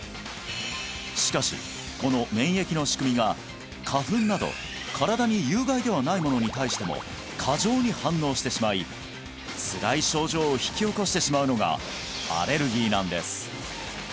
しかしこの免疫の仕組みが花粉など身体に有害ではないものに対しても過剰に反応してしまいつらい症状を引き起こしてしまうのがアレルギーなんです